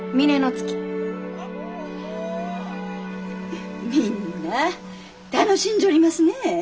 フッみんなあ楽しんじょりますね。